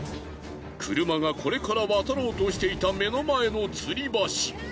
車がこれから渡ろうとしていた目の前の吊り橋。